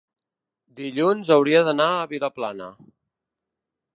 dilluns hauria d'anar a Vilaplana.